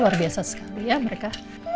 luar biasa sekali ya mereka